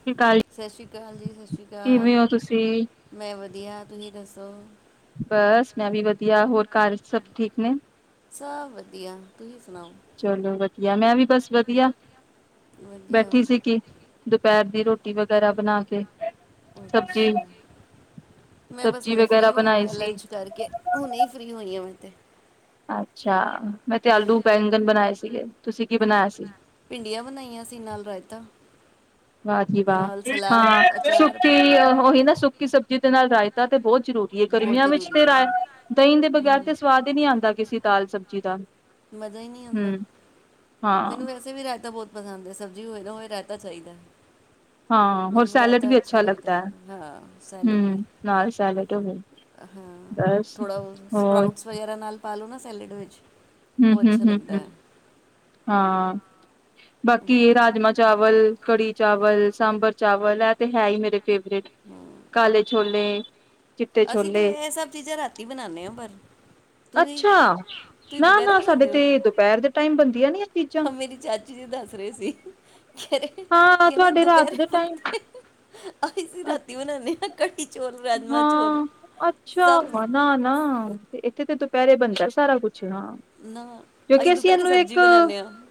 ਸਤਿ ਸ਼੍ਰੀ ਅਕਾਲ ਸਤਿ ਸ਼੍ਰੀ ਅਕਾਲ ਜੀ ਸਤਿ ਸ਼੍ਰੀ ਅਕਾਲ ਕਿਵੇਂ ਹੋ ਤੁਸੀਂ ਮੈਂ ਵਧੀਆ ਤੁਸੀਂ ਦੱਸੋ। ਯਾ ਹੋਰ ਘਰ ਸਭ ਠੀਕ ਨੇ। ਸਭ ਵਧੀਆ। ਤੁਸੀਂ ਸੁਣਾਓ ਚਲੋ ਯਾ ਮੈਂ ਵੀ ਬਸ ਵਧੀਆ। ਵਧੀਆ ਬੈਠੀ ਸੀ ਕਿ ਦੁਪਹਿਰ ਦੀ ਰੋਟੀ ਵਗੈਰਾ ਬਣਾ ਕੇ ਸਬਜ਼ੀ ਮੈਂ ਬਸ ਸਬਜ਼ੀ ਹੁਣੇ ਵਗੈਰਾ ਫ੍ਰੀ ਹੋਈ ਬਣਾਈ ਆ ਸੀ ਲੰਚ ਕਰਕੇ ਹੁਣੇ ਫ੍ਰੀ ਹੋਈ ਆ ਮੈਂ ਤੇ। ਅੱਛਾ ਮੈਂ ਤੇ ਆਲੂ ਬੈਂਗਣ ਬਣਾਏ ਸੀਗੇ। ਤੁਸੀਂ ਕੀ ਬਣਾਇਆ ਸੀ ਭਿੰਡੀਆਂ ਬਣਾਈਆਂ ਸੀ ਨਾਲ ਰਾਇਤਾ। ਵਾਹ ਜੀ ਵਾਹ ਨਾਲ ਸਲਾਦ ਹਾਂ ਅਚਾਰ ਸੁੱਕੀ ਪਾਪੜ ਉਹੀ ਨਾ ਸੁੱਕੀ ਸਬਜ਼ੀ ਦੇ ਨਾਲ ਰਾਇ ਤਾ ਤੇ ਬਹੁਤ ਜ਼ਰੂਰੀ ਹੈ ਬਹੁਤ ਗਰਮੀਆਂ ਵਿੱਚ ਜ਼ਰੂਰੀ ਤੇ ਹੈ ਰਏ ਦਹੀਂ ਦੇ ਬਗੈਰ ਹਮ। ਤੇ ਸਵਾਦ ਹੀ ਨਹੀ ਆਉਂਦਾ ਕਿਸੇ ਦਾਲ ਸਬਜ਼ੀ ਦਾ। ਮਜ਼ਾ ਹੀ ਨਹੀ ਆਉਂਦਾ ਹਮ ਹਾਂ ਮੈਨੂੰ ਵੈਸੇ ਵੀ ਰਾਇਤਾ ਬਹੁਤ ਪਸੰਦ ਹੈ ਸਬਜ਼ੀ ਹੋਏ ਨਾ ਹੋਏ ਰਹਿਤਾ ਚਾਹੀਦਾ ਹਾਂ ਐ ਹੋਰ ਸੈਲਡ ਰਾਇਤਾਂ ਵੀ ਅੱਛਾ ਲੱਗਦਾ ਹਾਂ ਸੈਲੇਡ ਵੀ ਹੂੰ, ਨਾਲ ਸੈਲਡ ਹੋਵੇ ਹਾਂ ਬਸ ਥੋੜਾ ਹੋਰ ਸਪਰਾਊਟਸ ਵਗੈਰਾ ਨਾਲ ਪਾਾਲੋ ਨਾ ਸੈਲਡ ਵਿਚ ਹੂ ਹੂ ਹੂ ਹੂ ਹਾਂ ਬਾਕੀ ਰਾਜਮਾਂ ਚਾਵਲ ਕੜੀ ਚਾਵਲ ਸਾਂਬਰ ਚਾਵਲ ਐ ਤੇ ਹੈ ਹੀ ਮੇਰੇ ਫੇਵਰੇਟ ਹਮ ਕਾਲੇ ਛੋਲੇ, ਚਿੱਟੇ ਅਸੀਂ ਤੇ ਛੋਲੇ ਇਹ ਸਭ ਚੀਜ਼ਾਂ ਰਾਤੀ ਬਣਾਉਦੇ ਹਾਂ ਪਰ ਤੁਸੀਂ ਅੱਛਾ ਤੁਸੀਂ ਦੁਪਹਿਰੇ ਨਾ-ਨਾ ਸਾਡੇ ਬਣਾਉਂਦੇ ਤੇ ਦੁਪਹਿਰ ਦੇ ਟਾਈਮ ਬਣਦੀਆਂ ਨੀ ਇਹ ਚੀਜ਼ਾਂ ਹੋ ਮੇਰੀ ਚਾਚੀ ਜੀ ਦੱਸ ਰਹੇ ਸੀ, ਕਹਿ ਹਾਂ ਰੇ ਤੁਹਾਡੇ ਰਾਤ ਦੁਪਹਿਰੇ ਦੇ ਟਾਈਮ ਬਣਦੇ ਅਸੀਂ ਰਾਤੀ ਬਣਾਉਦੇ ਹਾਂ ਕੜੀ ਚੋਲ ਰਾਜਮਾ ਚੋਲ ਹਾਂ ਸਭ ਅੱਛਾ ਨਾ ਨਾ ਇਥੇ ਤੇ ਦੁਪਹਿਰੇ ਬਣਦਾ ਸਾਰਾ ਕੁਛ। ਅੱਛਾ ਨਾ ਕਿਉਂਕਿ ਅਸੀਂ ਦੁਪਹਿਰੇ ਇਹਨੂੰ ਇੱਕ ਸਬਜ਼ੀ ਬਣਾਉਂਦੇ ਹਾਂ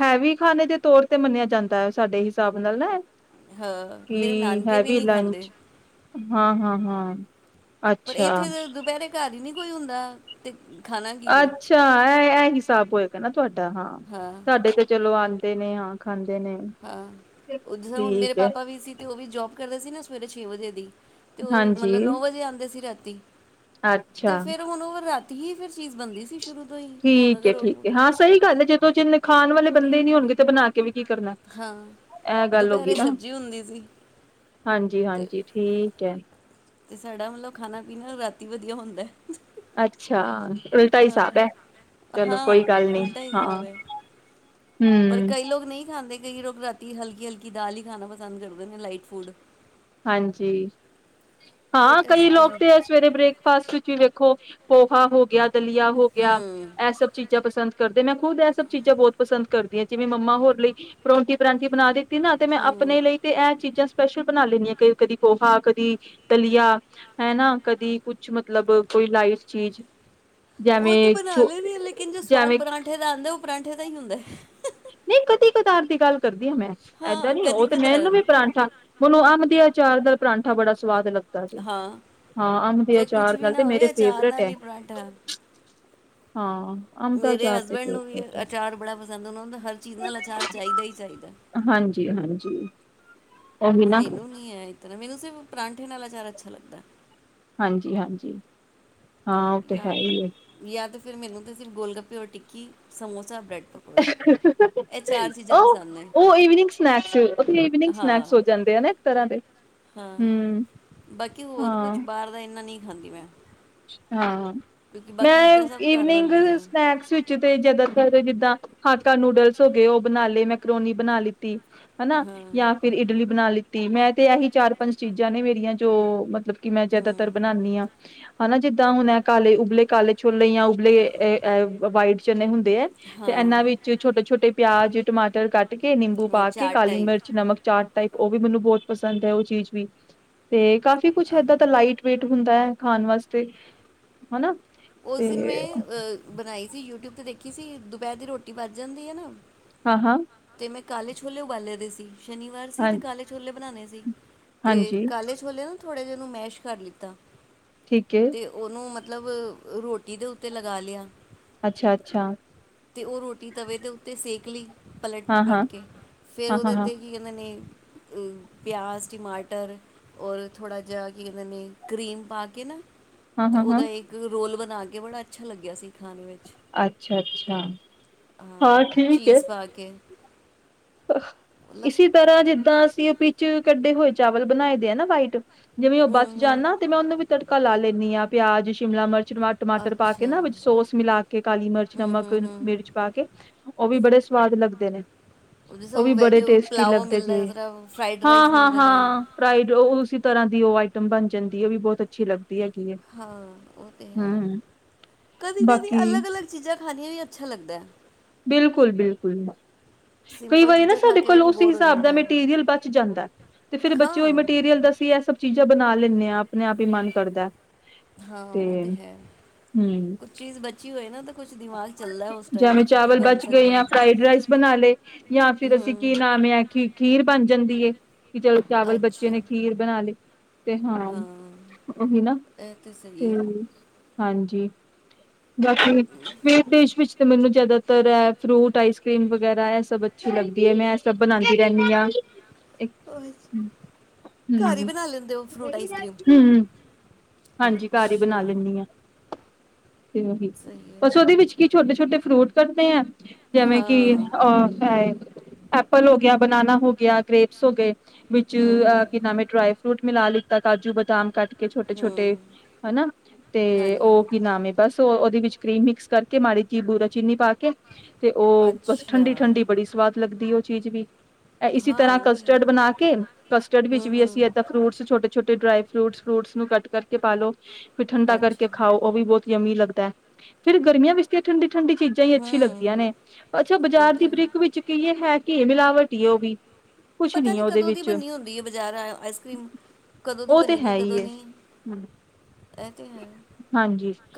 ਹੈਵੀ ਖਾਨੇ ਦੇ ਤੌਰ ਤੇ ਮੰਨਿਆ ਜਾਂਦਾ ਹੈ ਸਾਡੇ ਹਿਸਾਬ ਨਾਲ ਨਾ ਏ। ਹਾਂ ਮੇਰੇ ਨਾਨਕੇ ਵੀ ਨੀ ਲੰਚ ਖਾਂਦੇ। ਹਾਂ ਹਾਂ ਹਾਂ। ਪਰ ਅੱਛਾ, ਇੱਥੇ ਤਾਂ ਦੁਪਹਿਰੇ ਘਰ ਹੀ ਨੀ ਕੋਈ ਹੁੰਦਾ ਤੇ। ਖਾਣਾ ਕੀ ਵੇ ਅੱਛਾ ਇਹ ਇਹਹੀ ਹਿਸਾਬ ਹੋਏਗਾ ਨਾ ਤੁਹਾਡਾ ਹਾਂ ਸਾਡੇ ਤੇ ਚਲੋ ਆਉਂ ਦੇ ਨੇ ਹਾਂ ਖਾਂ ਹਾਂ ਉਧਰੋਂ ਮੇਰੇ ਹੈ, ਪਾਪਾ ਵੀ ਸੀ ਤੇ ਉਹ ਵੀ ਜੋਬ ਕਰਦੇ ਸੀ ਨਾ ਸਵੇਰੇ ਛੇ ਵਜੇ ਦੀ, ਤੇ ਉਹ ਹਾਂਜੀ। ਮਤਲਬ ਨੌ ਵਜੇ ਆਉਂਦੇ ਸੀ ਰਾਤੀ। [unintelligible] ਤੇ ਅੱਛਾ, ਫੇਰ ਹੁਣ ਉਹ ਰਾ ਕੀ ਫਿਰ ਚੀਜ਼ ਬਣਦੀ ਸੀ ਸ਼ੁਰੂ ਤੋਂ ਹੀ ਕਿ ਹੁਣ ਠੀਕ ਏ, ਅਗਰ ਠੀਕ ਉਹ ਏ, ਹਾਂ ਸਹੀ ਗੱਲ ਹੈ, ਜਦੋਂ ਜਿੰਨ ਖਾਣ ਵਾਲੇ ਬੰਦੇ ਨੀ ਅਗੇ ਤੋ ਬਣਾ ਕੇ ਵੀ ਕੀ ਕਰਨਾ, ਹਾਂ ਇਹ ਗੱਲ ਹੋ ਗਈ ਦੁਪਹਿਰੇ ਨਾ ਸਬਜ਼ੀ ਹੁੰਦੀ ਸੀ ਹਾਂਜੀ, ਹਾਂਜੀ, ਠੀਕ। ਕਹਿ ਤੇ ਸਾਡਾ ਮਤਲਬ ਖਾਣਾ ਪੀਣਾ ਰਾਤੀ ਵਧੀਆ ਹੁੰਦਾ। ਅੱਛਾ, ਉਲਟਾ ਹਿਸਾਬ ਹੈ, ਹਾਂ ਚਲੋ ਹਾਂ ਕੋਈ ਗੱਲ ਨਹੀ ਉਲਟਾ ਹੀ ਹਾਂ ਹਿਸਾਬ ਹੈ ਪਰ ਹੂ। ਕਈ ਲੋਕ ਨਹੀਂ ਖਾਂਦੇ ਕਈ ਲੋਕ ਰਾਤੀ ਹਲਕੀ- ਹਲਕੀ ਦਾਲ ਹੀ ਖਾਣਾ ਪਸੰਦ ਕਰਦੇ ਨੇ ਲਾਈਟ ਫੂਡ। ਹਾਂਜੀ। ਹਾਂ ਬਟ ਕਈ ਅਸੀਂ ਤਾਂ ਲੋਕ ਹੂੰ ਤੇ ਏ ਸਵੇਰੇ ਬ੍ਰੇਕਫਾਸਟ ਵਿੱਚ ਵੀ ਵੇਖੋ ਪੋਹਾ ਹੋ ਗਿਆ ਦਲੀਆ ਹੋ ਗਿਆ, ਹੂੰ ਇਹ ਸਭ ਚੀਜ਼ਾਂ ਪਸੰਦ ਕਰਦੇ ਨੇ ਖੁਦ ਇਹ ਸਭ ਚੀਜ਼ਾਂ ਬਹੁਤ ਪਸੰਦ ਕਰਦੀਆਂ, ਜਿਵੇਂ ਮੰਮਾ ਹੋਰ ਲਈ ਪਰੌੋਂਠੀ- ਪਰਾਂਠੀ ਬਣਾ ਦੇ ਤੇਨਾ, ਤੇ ਮੈਂ ਆਪਣੇ ਲਈ ਤੇ ਇਹ ਚੀਜ਼ਾਂ ਸਪੈਸ਼ਲ ਬਣਾ ਲੈਦੀ ਆ। ਕਦੀ ਪੋਹਾ, ਕਦੀ ਦਲੀਆ ਹੈਨਾ ਕਦੀ ਕੁਛ ਮਤਲਬ ਕੋਈ ਲਾਈਟ ਚੀਜ਼। ਉਹ ਤੇ ਜਿਵੇਂ ਬਣਾ ਛੋ ਲੈਦੀ ਆਹ ਲੇਕਿਨ ਜੋ ਸਵਾਦ ਜਿਵੇਂ ਪਰਾਂਠੇ ਦਾ ਆਉਂਦਾ ਉਹ ਪਰਾਂਠੇ ਦਾ ਪਤਾ ਹੀ ਹੁੰਦਾ। ਹੈ। ਨਹੀਂ, ਕਦੀ ਕਦਾਰ ਦੀ ਗੱਲ ਕਰਦੀ ਆ ਮੈਂ, ਇਂਦਾ ਹਾਂ ਨੀ ਉਹ ਕਦੀ ਤੇ ਮੈਂ ਕਦਾਰ ਮੈਨੂੰ ਵੀ ਪਰਾਂਠਾ ੳਹਨੂੰ ਅਮ ਦੇ ਆਚਾਰ ਦਾ ਪਰਾਂਠਾ ਬੜਾ ਸਵਾਦ ਲੱਗਦਾ। [unintelligible] ਹਾਂ ਹਾਂ ਅੰਬ ਦੇ ਜੇ ਕੁਛ ਅਚਾਰ ਵੀ ਨਾਲ ਨਾ ਮੇਰੇ ਹੋਏ ਅਚਾਰ ਫੇਵਰੇਟ ਨਾਲ ਹੈ। ਹੀ ਪਰਾਂਠਾ ਹਾਂ। ਅੰਬ ਦਾ ਮੇਰੇ ਅਚਾਰ ਤੇ ਹਸਬੈਂਡ ਫੇਵ ਨੂੰ ਵੀ ਰੇਟ ਏ। ਅਚਾਰ ਬੜਾ ਪਸੰਦ ਏ ਉਹਨਾ ਨੂੰ ਹਰ ਚੀਜ਼ ਨਾਲ ਅਚਾਰ ਚਾਹੀਦਾ ਹੀ ਚਾਹੀਦਾ। ਜੀ, ਹਾਂਜੀ। ਉਹੀ ਨਾ ਮੈਨੂੰ ਨੀ ਹੈ ਇਤਨਾ, ਮੈਨੂੰ ਸਿਰਫ ਪਰਾਂਠੇ ਨਾਲ ਅਚਾਰਾ ਅੱਛਾ ਲੱਗਦਾ। ਜੀ, ਹਾਂਜੀ। ਹਾਂ ਉਹ ਤੇ ਹੈ ਯਾ, ਹੀ ਏ। ਯਾਤੇ ਫੇਰ ਮੈਨੂੰ ਤੁਸੀ ਸਿਰਫ ਗੋਲ-ਗੱਪੇ ਔਰ ਟਿੱਕੀ ਕਿ ਸਮੋਸਾ, ਬ੍ਰੈਡ ਪਕੌੜਾ ਇਹ ਚਾਰ ਚੀਜ਼ਾਂ ਪਸੰਦ ਨੇ ਔ-ਔ, ਈਵਨਿੰਗ ਸਨੈਕ ਸੀ। ਓਥੇ, ਈਵਨਿੰਗ ਸਨੈਕਸ ਹਾਂ ਹੋ ਜਾਂਦੇ ਨੇ ਇੱਕ ਤਰ੍ਹਾਂ ਦੇ, ਹਾਂ ਹੂੰ, ਹਾਂ। ਹਾਂਜੀ, ਮੈ ਹਾਂ, ਮੈਂ ਘਰ ਈਵਨਿੰਗ ਬਣਦੀਆਂ ਨੇ। ਸਨੈਕਸ ਵਿੱਚ ਤੇ ਜਿਆਦਾਤਰ ਜਿੱਦਾਂ ਆਟਾ ਨਿਊਡਲ ਹੋ ਗਏ ਉਹ ਬਣਾਲੇ ਮੈਂਕਰੋਨੀ ਬਣਾ ਲਿਤੀ। ਹੈਨਾ, ਹਾਂ ਯਾ ਫਿਰ ਇਡਲੀ ਬਣਾ ਲੀ। ਤੀ ਮੈਂ ਤੇ ਐਹੀ ਚਾਰ ਪੰਜ ਚੀਜ਼ਾਂ ਨੇ ਮੇਰੀਆਂ ਜੋ ਮਤਲਬ ਕਿ, ਮੈਂ ਜਿਆਦਾਤਰ ਹੂੰ ਬਣਾਨਿਆਂ। ਹੈਨਾ, ਜਿੱਦਾਂ ਹੁਣ ਐ ਕਾਲੇ ਉਬਲੇ ਕਾਲੇ ਛੋਲੇ ਜਾਂ ਉਬਲੇ ਏ ਅ ਅ ਵਾਈਡ ਚਨੇ ਨੀ ਦੇ ਐ। ਤੇ ਹਾਂ ਏਨਾਂ ਵਿੱਚ ਛੋਟੇ ਛੋਟੇ ਪਿਆਜ, ਟਮਾਟਰ ਕੱਟ ਕੇ ਨਿੰਬੂ ਅ, ਪਾ ਕੇ ਚਾਟ ਕਾਲੀ ਟਾਈਪ ਮਿਰਚ ਨਮਕ ਚਾਟ ਟਾਈਪ ਔ ਵੀ ਮੈਨੂੰ ਬਹੁਤ ਪਸੰਦ ਐ, ਉਹ ਚੀਜ਼ ਵੀ। ਤੇ ਕਾਫੀਕੁੱਛ, ਆਹੋ ਏਦਾਂ ਦਾ ਲਾਈਟ ਵੇਟ। ਹੁੰਦਾ ਹੈ, ਖਾਣ ਵਾਸ ਤੇ ਹੈਨਾ। ਓਸ ਦਿਨ ਮੈਂ ਬਣਾਈ ਸੀ ਯੂਟਿਊਬ ਦੇਖੀ ਸੀ, ਦੁਪੈਰ ਦੀ ਰੋਟੀ ਬਚ ਜਾਂਦੀ ਹੈਨਾ ਹਾਂ, ਹਾਂ। ਮੈਂ ਕਾਲੇ ਛੋਲੇ ਉਬਾਲੇ ਦੇ ਸੀ। ਸ਼ਨੀਵਾਰ ਸੀ, ਹਾਂ ਤੇ ਕਾਲੇ ਛੋਲੇ ਬਣਾਣੇ‌ ਜੀ। ਤੇ ਹਾਂਜੀ ਕਾਲੇ ਛੋਲੇ ਥੋੜੇ ਜੇ ਨੂੰ ਮੈਸ਼ ਕਰ ਲਿੱਤਾ। ਠੀਕ ਹੈ ਤੇ ਔਨੂੰ ਮਤ ਮਤਲਬ। ਰੋਟੀ ਦੇ ਉੱਤੇ ਲਗਾ ਲਿਆ। ਅੱਛਾ, ਅੱਛਾ। ਤੇ ਓਹ ਰੋਟੀ ਤਵੇ ਦੇ ਉੱਤੇ ਸੇਕ ਲੀ। ਪਲਟ ਹਾਂ ਪਲਟ ਹਾਂ ਕੇ ਫਿਰ ਹਾਂ ਹਾਂ ਉਹਦੇ ਹਾਂ ਤੇ ਕੀ ਕਹਿੰਦੇ ਨੇ ਪਿਆਜ਼, ਟਿਮਾਟਰ ਔਰ ਥੋੜ੍ਹਾ ਜਿਹਾ ਕੀ ਕੈੰਦੇ ਨੇ ਕਰੀਮ ਪਾ ਕੇ ਨਾ ਹਾਂ ਤੇ ਹਾਂ ਹਾਂ ਓਹਦਾ ਇੱਕ ਰੋਲ ਬਣਾ ਕੇ ਬੜਾ - ਅੱਛਾ ਲੱਗਿਆ ਸੀ ਖਾਣ ਵੇਵਿਚ। ਅੱਛਾ ਅੱਛਾ ਹਾਂ, ਠੀਕ ਹੈ ਚੀਜ਼ ਪਾ ਕੇ। ਮਤਲਬ ਇਸੀ ਤਰ੍ਹਾਂ ਜਿੱਦਾਂ ਪੀ ਪਿਚ ਕੱਢੇ ਹੋਏ ਚਾਵਲ ਬਣਾਏ ਦੇ ਆ ਨਾ ਵਾਈਟ। ਜਿਵੇਂ, ਔ ਹੂੰ ਬੱਚ ਹੂੰ ਜਾਣ ਨਾ ਤੇ ਮੈਂ ਉਹਨੂੰ ਵੀ ਤੜਕਾ ਲਾ ਲੈ ਨਿਆ ਪਿਆਜ, ਸ਼ਿਮਲਾ ਮਰਚ ਚ ਟਮਾ ਟਮਾਟਰ ਪਾ ਕੇ ਅੱਛਾ ਨਾ ਵਿੱਚ ਸੋਸ ਮਿਲਾ ਕੇ ਕਾਲੀ ਮਰਚ, ਹੂੰ ਨਮਕ ਹੂੰ ਹੂੰ ਮਿਰਚ ਪਾ ਕੇ। ਉਹ ਵੀ ਬੜੇ ਸਵਾਦ ਲੱਗਦੇ ਨੇ। ਜਿਵੇਂ ਉਹ ਵੀ ਬੜੇ ਵੈਜ ਟੇਸਟੀ ਪਲਾਓ ਲੱਗਦੇ ਮਿਲਦਾ ਜੇ। ਹੈ ਜਰਾ ਫਰਾਈਡ ਹਾਂ, ਰਾਈਸ ਹਾਂ, ਮਿਲਦੇ ਨੇ ਹਾਂ, ਫਰਾਈਡ ਕਿਸੇ ਤਰ੍ਹਾਂ ਦੀ ਉਹ ਆਈਟਮ ਬਣ ਜਾਂਦੀ ਏ। ਉਹ ਵੀ ਬਹੁਤ ਅੱਛੀ ਲੱਗਦੀ। ਹੈਗੀ ਹੈ ਹਾਂ ਉਹ ਤੇ ਹੈ ਹਮ ਕਦੀ, ਕਦੀ ਬਾਕੀ ਅਲੱਗ, ਅਲੱਗ ਚੀਜ਼ਾਂ ਖਾਣੀ ਵੀ ਅੱਛਾ ਲੱਗਦਾ ਏ। ਬਿਲਕੁਲ, ਬਿਲਕੁਲ ਕਈ ਸਿੰਪਲ ਵਾਰੀ ਨਾ ਚੀਜ਼ਾਂ ਖਾ ਸਾਡੇ ਕੇ ਕੋਲ ਵੀ ਉਸ ਬੋਰ ਹੋ ਹਿਸਾਬ ਦਾ ਜਾਂਦਾ ਹੈ ਮੈਟੀਰੀਅਲ ਬਚ ਜਾਂਦਾ ਤੇ। ਫਿਰ ਬੱਚੇ ਉਹਹੀ ਹਾਂ ਮਟੀਰੀਅਲ ਦਸੀ ਇਹ ਸਭ ਚੀਜ਼ਾਂ ਬਨਾ ਲੈਂਦੇ ਹਾਂ। ਆਪਣੇ ਆਪ ਹੀ ਮਨ ਕਰਦਾ। ਹਾਂ ਉਹ ਤੇ ਹੈ। ਕੁਛ ਚੀਜ਼ ਬਚੀ ਹੋਏ ਨਾ ਤੇ ਕੁਝ ਦਿਮਾਗ ਚੱਲਦਾ ਹੈ ਉਸ ਟਾਈਮ ਜੇਵੇਂ ਕੀ ਕੀ ਚਾਵਲ ਬਣ ਬਚ ਗਏ ਸਕਦਾ ਯਾ। ਹੈ ਫਰਾਈਡ ਰਾਈਸ ਬਣਾ ਲਏ। ਯਾ ਫਿਰ ਅਸੀਂ ਕੀ ਹੂੰ ਨਾਮ ਏ ਖੀ ਖੀਰ ਬਣ ਜਾਂਦੀ ਹੈ। ਵੀ ਚਲੋ ਚਾਵਲ ਬੱਚੇ ਅੱਛਾ ਨੇ ਖੀਰ ਬਣਾ ਲਈ। ਤੇ ਹਾਂ ਉਹੀ ਨਾ ਇਹ ਸਹੀ ਤੇ ਹੈ ਹਾਂਜੀ। ਜੀ। ਜ [inaudible] ਫੇਰ ਦੇਸ਼ ਵਿੱਚ ਤੇ ਮੈਨੂੰ ਜਿਆਦਾਤਰ ਇਹ। ਫਰੂਟ ਆਈਸ ਕਰ੍ਰੀਮ ਵਗੈਰਾ ਇਹ ਸਭ ਅੱਛੀ ਲੱਗਦੀ ਏ। ਮੈਂ ਇਹ ਸਭ ਬਣਾਦੀ ਰਹਿੰਦੀ ਹਾਂ। ਹ ਅੱਛਾ, ਘਰ ਹੀ ਹੂ ਬਣਾ ਲੈਂਦੇ ਹੋ ਫਰੂਟ ਆਈਸ ਕ੍ਰੀਮ ਹਾਂਜੀ ਘਰ ਹੀ ਬਣਾ ਅੱਛਾ ਲੈਂਦੀ ਆਂ ਤੇ ਸਹੀ ਹੈ ਉਹੀ ਵਿੱਚ ਕੀ ਛੋਟੇ ਛੋਟੇ ਫਰੂਟ ਕੱਟਣੇ ਐ। ਜਿਵੇਂ ਕਿ ਹਾਂ ਔਰ ਫਰਾਈ ਐਪਲ ਹੋ ਗਿਆ, ਬਨਾਨਾ ਹੋ ਗਿਆ, ਗ੍ਰੇਪਸ ਹੋ ਗਏ। ਵਿੱਚ ਹੂੰ ਕੀ ਨਾਮਂ ਹੈ, ਡਰਾਈ ਫਰੂਟ ਮਿਲਾ ਲਈ ਤਾਂ ਕਾਜੂ ਬਦਾਮ ਕੱਟ ਛੋਟੇ ਹੂੰ ਛੋਟੇ ਹੈਨਾ। ਤੇ ਹਾਂਜੀ ਹਾਂਜੀ ਉਹ ਕੀ ਨਾਮ ਬਸ ਉਹ ਉਹਦੇ ਵਿੱਚ ਮਿਕਸ ਕਰਕੇ ਮਾੜੀ ਜੀ ਬੂਰਾ ਚੀਨੀ ਪਾ ਕੇ ਠੀ ਤੇ ਉਹ ਬਸ ਠੰਡੀ, ਠੰਢਡੀ ਬੜੀ ਸਵਾਦ ਲੱਗਦੀ ਉਹ। ਚੀਜ਼ ਵੀ ਇਸੀ ਤਰ੍ਹਾਂ ਕਸਟਰਡ ਬਣਾ ਕੇ। ਕਸਟਰਡ ਵਿੱਚ ਵੀ ਅਸੀਂ ਇਏਦਾਂ ਫਰੂਟਸ ਛੋਟੇ, ਛੋਟੇ ਡਰਾਈ ਫਰੂਟਸ ਫਰੂਟਸ ਨੂੰ ਕੱਟ ਕਟਕੇ ਪਾਾਲੋ। ਵੀ ਠੰਡਾ ਕਰਕੇ। ਖਾਓ ਉਹ ਵੀ ਬਹੁਤ ਯੰਮੀ ਲੱ ਦਾ [inaudible] ਫੇਰ ਗਰਮੀਆਂ ਵਿੱਚ ਤੇ ਠੰਡੀ ਠੰਡੀ ਚੀਜ਼ਾਂ ਹੀ ਅੱਛੀ ਹੂੰ ਲੱਗਦੀਆਂ ਨੇ। ਅੱਛਾ ਉਹ ਬਾਜ਼ਾਰ ਤੇ ਦੀ ਹੈ ਬ੍ਰਿਕ ਵਿੱਚ ਕਹੀਏ ਹੈ ਕੀ ਇਹ ਮਿਲਾਵਟ ਹੀਂ ਹੈ ਉਹ ਵੀ ਕੁਛ ਪਤਾ ਨੀ ਉਹਦੇ ਕਦੋਂ ਦੀ ਵਿੱਚ ਬੰਨੀ ਹੁੰਦੀ ਹੈ। ਬਜ਼ਾਰ ਆਈਸ ਕਰ੍ਰੀਮ ਕਦੋਂ ਦੀ ਉਹ ਤੇ ਬੰਨੀ ਦੀ ਹੈ ਹੀ ਕਦੋਂ ਏ। ਨਹੀਂ ਇਹ ਤੇ ਹੈ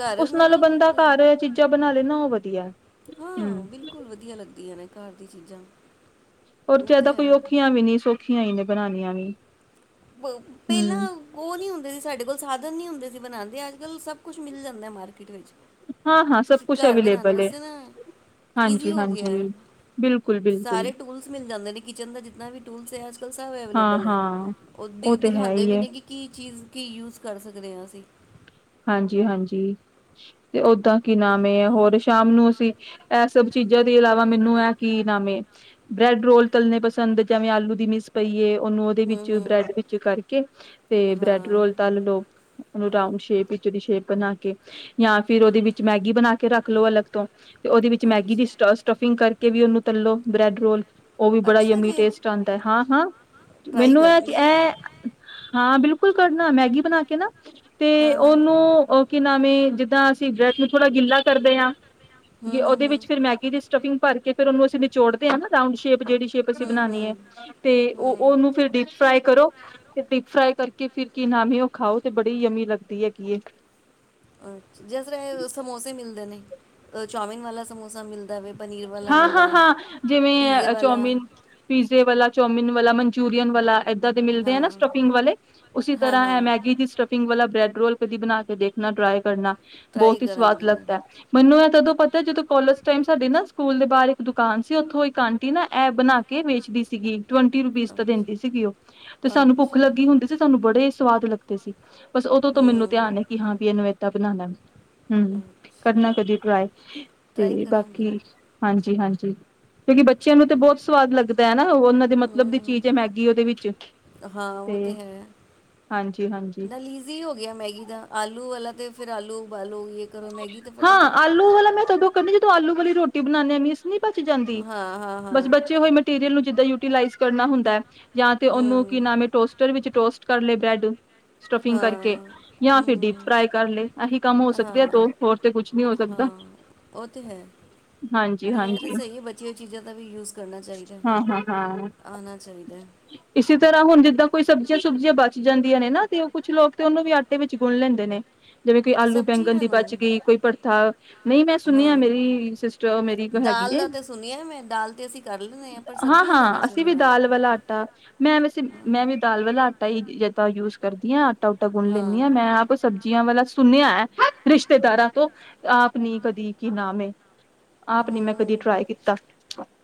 ਘਰ ਮਤਲਬ ਤਾਂ ਘਰ ਚੀਜ਼ਾਂ ਬਣਾ ਲੈ ਨਾ, ਉਹ ਵਧੀਆ [inaudible] ਹਾਂ ਹਮ ਬਿਲਕੁਲ ਵਧੀਆ ਲੱਗਦੀਆਂ ਨੇ ਘਰ ਦੀਆਂ ਚੀਜ਼ਾਂ ਰ ਉਹ ਜਿਆਦਾ ਤੇ ਕੋਈ ਹੈ ਔਖੀਆਂ ਵੀ ਨੀ ਸੌਖੀਆਂ ਹੀ ਨੇ ਬਣਾਨੀਆਂ ਨੀ ਪਹਿਲਾਂ ਉਹ ਨੀ ਹੁੰਦੇ ਸੀ ਸਾਡੇ ਕੋਲ ਸਾਧਨ ਨਹੀਂ ਹੁੰਦੇ ਸੀ ਬਣਾਉਂਦੇ ਅੱਜ ਕੱਲ੍ਹ ਸਭ ਕੁਛ ਮਿਲ ਜਾਂਦਾ ਮਾਰਕੀਟ ਵਿੱਚ ਹਾਂ ਹਾਂ ਸਭ ਤੁਸੀਂ ਕੁਛ ਘਰ ਬਣਾਉਣ ਅਵੇਲੇਬਲ ਹੈ ਵਾਸਤੇ ਨਾ ਈਜ਼ੀ ਹਾਂਜੀ ਹੋ ਗਿਆ ਹਾਂਜੀ ਹੈ, ਬਿਲਕੁਲ ਬਿਲਕੁਲ ਸਾਰੇ ਟੂਲਸ ਮਿਲ ਜਾਂਦੇ ਨੇ ਕਿਚਨ ਦਾ ਜਿਨਾ ਵੀ ਟੂਲਸ ਹੈ ਅੱਜ ਕੱਲ੍ਹ ਸਭ ਹਾਂ ਅਵੇਲੇਬਲ ਹੈ ਹਾਂ ਉਹ ਦਿ ਤੇ ਹੈ ਦਿਖਾਉਂਦੇ ਹੀ ਵੀ ਹੈ ਨੇ ਕਿ ਕੀ ਚੀਜ਼ ਕੀ ਯੂਜ ਕਰ ਸਕਦੇ ਹਾਂ ਅਸੀਂ ਹਾਂਜੀ ਹਾਂਜੀ ਤੇ ਓਦਾਂ ਕੀ ਨਾਮ ਹੈ ਹੋਰ ਸ਼ਾਮ ਨੂੰ ਅਸੀਂ ਇਹ ਸਭ ਚੀਜ਼ਾਂ ਦੇ ਇਲਾਵਾ ਮੈਨੂੰ ਇਹ ਕੀ ਨਾਮ ਹੈ ਬ੍ਰੈਡ ਰੋਲ ਤਲਣੇ ਪਸੰਦ ਜਿਵੇਂ ਆਲੂ ਦੀ ਮਿਸ ਪਈਏ ਉਹਨੂੰ ਉਹਦੇ ਹੂੰ ਵਿੱਚ ਬ੍ਰੈਡ ਹੂੰ ਵਿੱਚ ਕਰਕੇ ਤੇ ਹੈ ਹਾਂ ਬ੍ਰੈਡ ਰੋਲ ਤਲ ਲਓ ਉਹਨੂੰ ਰਾਊਂਡ ਸ਼ੇਪ ਵਿੱਚ ਦੀ ਸ਼ੇਪ ਬਣਾ ਕੇ ਜਾਂ ਫਿਰ ਉਹਦੇ ਵਿੱਚ ਮੈਗੀ ਬਣਾ ਕੇ ਰੱਖ ਲੋ ਅਲੱਗ ਤੋਂ ਤੇ ਉਹਦੇ ਵਿੱਚ ਮੈਗੀ ਦੀ ਸ ਸਟਫਿੰਗ ਕਰਕੇ ਕੇ ਵੀ ਉਹਨੂੰ ਤਲੋ ਬ੍ਰੈਡ ਰੋਲ ਉਹ ਵੀ ਬੜਾ ਹੀ ਅੱਛਾ ਯਮੀ ਜੀ ਟੇਸਟ ਆਉਂਦਾ ਹੈ ਹਾਂ ਹਾਂ ਟਰਾਈ ਮੈਨੂੰ ਇਹ ਕਿ ਕਰਾਂਗੀ ਇਹ ਹਾਂ ਬਿਲਕੁਲ ਬਿਲਕੁਲ ਕਰਨਾ ਮੈਗੀ ਬਣਾ ਕੇ ਨਾ ਤੇ ਹਾਂ ਹਾਂ ਉਹਨੂੰ ਉਹ ਕਿ ਨਾ ਂ ਜਿੱਦਾਂ ਅਸੀਂ ਬ੍ਰੈ ਨੂੰ ਥੋੜਾ ਗਿੱਲਾ ਕਰਦੇ ਹਾਂ ਹੂੰ ਜੀ ਹੂੰ ਉਹਦੇ ਹੂੰ ਵਿੱਚ ਫੇਿਰ ਮੈਗੀ ਦੀ ਸਟਫਿੰਗ ਭਰ ਕੇ ਫ਼ਿਰ ਉਹਨੂੰ ਅਸੀਂਿਚੋੜਦੇ ਹ ਨਾ ਰਾਂਡ ਸ਼ੇਪ ਜਿਹੜੀ ਸ਼ੇਪ ਅਸੀਂ ਹੂੰ ਹੂੰ ਬਣਾਉਣੀ ਹੈ ਤੇ ਉਹ ਹੂੰ ਉਹਨੂੰ ਫਿਰ ਡੀਪ ਫਰਾਈ ਕਰੋ ਤੇ ਡੀਪ ਫ੍ਰਈ ਕਰਕੇ ਕੇ ਫਿਰ ਕੀ ਨਾਮਂ ਉਹ ਖਾਓ ਤੇ ਬੜੀ ਯਮੀ ਲੱਗਦੀ ਹੈ ਇੱਕ ਅ ਜਿਸ ਤਰ੍ਹਾਂ ਸਮੋਸੇ ਮਿਲਦੇ ਨੇ ਚੋਮਿਨ ਵਾਲਾ ਸਮੋਸਾ ਮਿਲਦਾ ਵ ਹਾਂ ਹਾਂ ਹਾਂ ਜਿਵੇਂ ਵਾਲਾ ਚੋਮਿਨ ਪੀਜ਼ੇ ਵਾਲਾ ਚੌਮਿਨ ਵਾਲਾ ਮਨਚੂਰੀਅਨ ਵਾਲਾ ਏਦਾਂ ਦੇ ਮਿਲਦੇ ਆ ਹਾਂ ਨਾ ਸਟਫਿੰਗ ਵਾਲੇ ਉਸਸੀ ਹਾਂ ਹਾਂ ਤਰ੍ਹਾਂ ਮੈਗੀ ਦੀ ਸਟਫਿੰਗ ਵਾਲਾ ਬ੍ਰੈਡ ਰੋਲ ਕਦੀ ਬਣਾ ਕੇ ਦੇਖਣਾ ਟਰਾਈ ਕਰਨਾ ਟਰਾਈ ਬਹੁਤ ਹੀ ਸਵਾਦ ਕਰਾਂਗੀ ਲੱਗਦਾ ਹੈ ਮੈਨੂੰ ਇਹ ਤਦੋਂ ਪਤਾ ਜਦੋਂ ਕਲਜ ਟਾਈਮ ਸਾਡੇ ਨਾ ਸਕੂਲ ਦੇ ਬਾਹਰ ਇੱਕ ਦੁਕਾਨ ਸੀ ਉਥੋਂ ਇੱਕ ਆਂਟੀ ਨਾ ਇਹ ਬਣਾ ਕੇ ਵੇਚਦੀ ਸੀਗੀ ਟਵੰਟੀ ਰੁਪੀਜ਼ ਅੱਛਾ ਦਾ ਦਿੰਦੀ ਸੀਗੀ ਉਹ ਤੇ ਸਾਨੂੰ ਭੁੱਖ ਅੱਛਾ ਲੱਗੀ ਹੁੰਦੀ ਸੀ ਸਾਨੂੰ ਬੜੇ ਸਵਾਦ ਲੱਗਦੇ ਸੀ ਬਸ ਉਦੋਂ ਤੋਂ ਮੈਨੂੰ ਹੂੰ ਧਿਆਨ ਕਿ ਹਾਂ ਵੀ ਇਹਨੂੰ ਏਦਾਂ ਬਣਾਨੈ ਹਮ ਕਰਨਾ ਅੱਛਾ ਕਦੀ ਟਰਾਏ ਟਰਾਈ ਤੇ ਕਰਾਂਗੀ ਬਾਕੀ ਹਾਂਜੀ ਹਾਂਜੀ ਕਿਉਂਕਿ ਬੱਚਿਆਂ ਨੂੰ ਤੇ ਬਹੁਤ ਸਵਾਦ ਲੱਗਦਾ ਹੈ ਨਾ ਉਹ ਉਹਨਾਂ ਦੀ ਮਤਲਬ ਦੀ ਚੀਜ਼ ਹੈ ਹੂੰ ਮੈਗੀ ਉਹਦੇ ਵਿੱਚ ਹਾਂ ਤੇ ਉਹ ਤੇ ਹੈ ਹਾਂਜੀ ਹਾਂਜੀ ਨਾਲ ਈਜ਼ੀ ਹੋ ਗਿਆ ਮੈਗੀ ਦਾ ਆਲੂ ਵਾਲਾ ਤੇ ਫੇਰ ਆਲੂ ਉਬਾਲੋ ਕਰੋ ਮੈਗੀ ਤੇ ਹਾਂ ਫਟਾਫਟ ਆਲੂ ਵਾਲਾ ਮੈਂ ਤਦੋਂ ਕਰਦੀ ਆਂ ਜਦੋਂ ਆਲੂ ਵਾਲੀ ਰੋਟੀ ਬਣਾਂਨੇ ਨਹੀਂ ਬਚ ਜਾਂਦੀ ਹਾਂ ਹਾਂ ਬਸ ਹਾਂ ਬਚੇ ਹੋਏ ਮਟੀਰੀਅਲ ਨੂੰ ਜਿੱਦਾਂ ਯੂਟੀਲਾਈਜ਼ ਕਰਨਾ ਹੁੰਦਾ ਹੈ ਯਾ ਤੇ ਉਹਨੂੰ ਕੀ ਹੂੰ ਨਾਮ ਹੈ ਟੋਸਟਰ ਵਿੱਚ ਰੋਸਟ ਕਰਲੇ ਬ੍ਰੈਡ ਸਟਫਿੰਗ ਕਰਕੇ ਹਾਂ ਯਾਂ ਫਿਰ ਡੀਪ ਫਰਾਈ ਕਰ ਲਏ ਇਹੀ ਕੰਮ ਹੋ ਸਕ ਹ ਹਾਂ ਉਹ ਤੇ ਹੈ ਹਾਂਜੀ ਨਹੀਂ ਇਹ ਤੇ ਹਾਂਜੀ ਸਹੀ ਹੈ ਬਚੀ ਹੋਈ ਚੀਜ਼ਾਂ ਦਾ ਵੀ ਯੂਜ ਕਰਨਾ ਚਾਹੀਦਾ ਹਾਂ ਹਾਂ ਹਾਂ ਆਉਣਾ ਚਾਹੀਦਾ ਇਸੇ ਤਰ੍ਹਾਂ ਹੁਣ ਜਿੱਦਾਂ ਕੋਈ ਸਬਜ਼ੀਆਂ ਸੁਬਜ਼ੀਆਂ ਬਚ ਜਾਂਦੀਆਂ ਨੇ ਨਾ ਤੇ ਉਹ ਕੁਛ ਲੋਕ ਤੇ ਉਹਨੂੰ ਵੀ ਆਟੇ ਵਿੱਚ ਗੁੰਣ ਲੈਂਦੇ ਨੇ ਜਿਵੇਂ। ਬੰਗਨ ਸਬਜ਼ੀਆਂ ਦੀ ਬਚ ਨੂੰ ਗਈ, ਕੋਈ ਪੜਥਾ, ਨਹੀਂ ਮੈਂ ਸੁਣਿਆ ਹਾਂ ਮੇਰੀ ਸਿਸਟਰ ਮੇਰੀ ਇਕ ਹੈਗੀ ਦਾਲ ਏ ਦਾ ਤੇ ਸੁਣਿਆ ਮੈਂ ਦਾਲ ਤੇ ਅਸੀਂ ਕਰ ਲੈਂਦੇ ਪਰ ਹਾਂ ਸਬਜ਼ੀਆਂ ਦਾ ਨਹੀਂ ਹਾਂ ਅਸੀਂ ਵੀ ਸੁਣਿਆ ਦਾਲ ਵਾਲਾ ਆਟਾ ਮੈ ਵੇਸੇ ਹਾਂ ਮੈਂ ਵੀ ਦਾਲ ਵਾਲਾ ਆ ਹੀ [unintelligible] ਜਿੱਦਾਂ ਯੂਜ ਕਰਦੀ ਹਾਂ। ਆਟਾ ਓਟਾ ਗੁੰਣ ਲੈਂਦੀ ਹਾਂ ਮੈਂ ਆਪ ਸਬਜੀ ਸਬਜੀਆਂ ਵਾਲਾ ਸੁਣਿਆ ਹੈ [inaudible] ਰਿਸ਼ਤੇਦਾਰਾਂ ਤੋਂ ਆਪ ਨੀ ਕਦੀ ਕੀ ਨਾਮੇ ਆਪ ਨੀ ਮੈਂ ਕਦੀ ਹੂੰ ਟਰਾਈ ਕੀਤਾ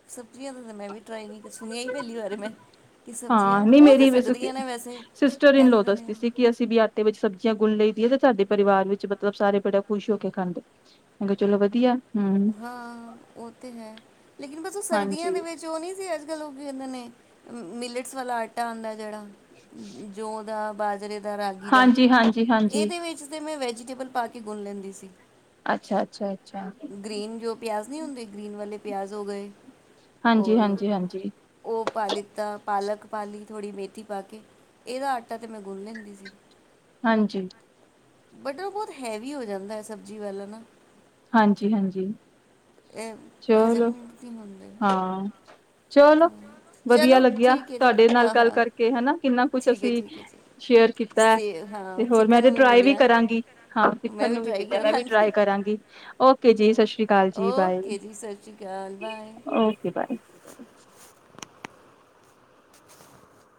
ਸਬਜ਼ੀਆਂ ਦਾ ਤਾਂ ਮੈਂ ਵੀ ਟਰਾਈ ਨਹੀਂ ਸੁਣਿਆ ਹੀ ਪਹਿਲੀ ਵਾਰ ਮੈਂ ਕਿ ਸਬਜ਼ੀਆਂ ਹਾਂ ਨਹੀਂ ਹੋ ਤਾਂ ਮੇਰੀ ਵੇਸੇ ਸਕਦੀਆਂ ਨੇ ਵੈਸੇ ਸਿਸਟਰ ਇਨ ਐਸਾ ਲੋ ਤਾਂ ਦੱਸਦੀ ਸੀ ਨਹੀਂ ਕਿ ਅਸੀਂ ਵੀ ਆਟੇ ਵਿਚ ਸਬਜ਼ੀਆਂ ਗੁਨ ਲਈ ਦੀ ਏ ਸਾਡੇ ਪਰਿਵਾਰ ਵਿੱਚ ਬੱਚੇ ਮਤਲਬ ਸਾਰੇ ਬੜੇ ਖੁਸ਼ ਹੋ ਕੇ ਖਾਂਦੇ ਮੈ ਕਿਹਾ ਚਲੋ ਵਧੀਆ ਹਮ ਹਾਂ ਉਹ ਤੇ ਹੈ ਲੇਕਿਨ ਬਸ ਉਹ ਸਰਦੀਆਂ ਹਾਂਜੀ ਦੇ ਵਿੱਚ ਉਹ ਨਹੀਂ ਸੀ ਅੱਜ ਕੱਲ ਉਹ ਕਿ ਕਹਿੰਦੇ ਨੇ ਮਿਲੇਟਸ ਵਾਲਾ ਆਟਾ ਆਂਦਾ ਜਿਹੜਾ ਜੋ ਉਹਦਾ ਬਾਜਰੇ। ਰਾਗੀ ਦਾ ਹਾਂਜੀ ਹਾਂਜੀ ਹਾਂਜੀ ਇਹਦੇ ਵਿੱਚ ਤੇ ਮੈਂ ਵੇਜੀਟੇਬਲ ਪਾ ਕੇ ਗੁੰਣ ਲੈਂਦੀ ਸੀ ਅੱਛਾ ਅੱਛਾ ਅੱਛਾ ਗ੍ਰੀਨ ਜੋ ਪਿਆਜ਼ ਨਹੀਂ ਹੁੰਦੇ ਗ੍ਰੀਨ ਵਾਲੇ ਪਿਆਜ਼ ਹੋ ਗਏ। ਹਾਂਜੀ ਹਾਂਜੀ ਹਾਂਜੀ ਉਹ ਪਾ ਲਿੱਤਾ ਪਾਲਕ ਪਾ ਲਈ ਥੋੜ੍ਹੀ ਮੇਥੀ ਪਾ ਕੇ ਇਹਦਾ ਆਟਾ ਤਾਂ ਮੈਂ ਗੁੰਨ ਲੈਂਦੀ ਸੀ ਹਾਂਜੀ ਬਟਰ ਬਹੁਤ ਹੈਵੀ ਹੋ ਜਾਂਦਾ ਹੈ ਸਬਜ਼ੀ ਵਾਲਾ ਨਾ ਹਾਂਜੀ ਹਾਂਜੀ ਇਹ ਖਜਮ ਚਲੋ ਨਿਸੀ ਹੁੰਦੇ ਹਾਂ ਚਲੋ ਤਾਂ ਵਧੀਆ ਚਲੋ ਲੱਗਿਆ ਠੀਕ ਹੈ ਜੀ ਤੁਹਾਡੇ ਨਾਲ ਹਾਂ ਗੱਲ ਹਾਂ ਕਰਕੇ ਹੈਨਾ ਕਿੰਨਾ ਕੁਛ ਠੀਕ ਹੈ ਅਸੀਂ ਠੀਕ ਹੈ ਸ਼ੇਅਰ ਜੀ ਕੀਤਾ ਹੈ ਸੀ ਤੇ ਹਾਂ ਹੋਰ ਮੈਂ ਸਿੱਖਣ ਤੇ ਨੂੰ ਟਰਾਈ ਵੀ ਮਿਲਿਆ ਕਰਾਂਗੀ ਹਾਂ ਮੈਂ ਸਿੱਖਣ ਨੂੰ ਵੀ ਟਰਾਈ ਮਿਲਿਆ ਮੈਂ ਵੀ ਟਰਾਈ ਕਰਾਂਗੀ ਕਰਾਂਗੀ ਔਕੇ ਜੀ ਹਾਂ ਸਤਿ ਸ਼੍ਰੀ ਅਕਾਲ ਜੀ ਬਾਏ ਓਕੇ ਜੀ ਸਤਿ ਸ਼੍ਰੀ ਅਕਾਲ ਬਾਏ ਔਕੇ ਬਾਏ